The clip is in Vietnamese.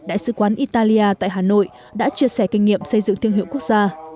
đại sứ quán italia tại hà nội đã chia sẻ kinh nghiệm xây dựng thương hiệu quốc gia